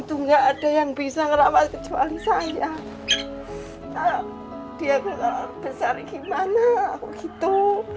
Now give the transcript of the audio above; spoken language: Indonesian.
tuh nggak ada yang bisa merawat kecuali saya dia besar besar gimana gitu